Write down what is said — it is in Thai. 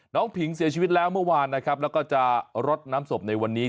ผิงเสียชีวิตแล้วเมื่อวานนะครับแล้วก็จะรดน้ำศพในวันนี้